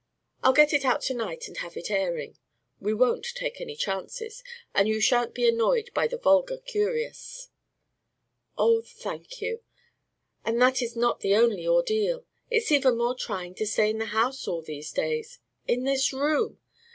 I'll get it out to night and have it airing we won't take any chances; and you sha'n't be annoyed by the vulgar curious." "Oh, thank you! But that is not the only ordeal. It's even more trying to stay in the house all these days in this room!